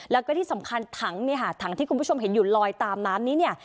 แล้วก็ที่สำคัญถังที่คุณผู้ชมเห็นอยู่ลอยตามน้ำนี้